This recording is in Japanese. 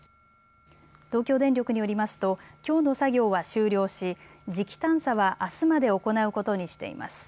東京電力によりますときょうの作業は終了し磁気探査はあすまで行うことにしています。